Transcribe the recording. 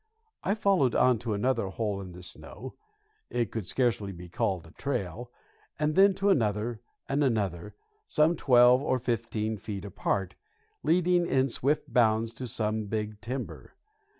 I followed on to another hole in the snow (it could scarcely be called a trail) and then to another, and another, some twelve or fifteen feet apart, leading in swift bounds to some big timber.